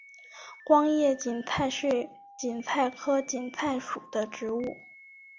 光叶堇菜是堇菜科堇菜属的植物。